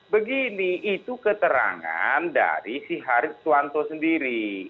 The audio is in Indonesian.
begini itu keterangan dari si harit suwanto sendiri